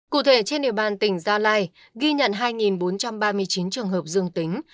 cụ thể trên địa bàn tỉnh gia lai ghi nhận hai bốn trăm ba mươi chín trường hợp dương tính